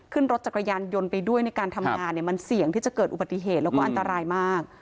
ขึ้นรถจักรยานยนต์ไปด้วยในการทำงานเนี่ยมันเสี่ยงที่จะเกิดอุบัติเหตุแล้วก็อันตรายมาก